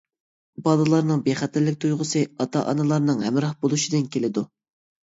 بالىلارنىڭ بىخەتەرلىك تۇيغۇسى ئاتا-ئانىلارنىڭ ھەمراھ بولۇشىدىن كېلىدۇ.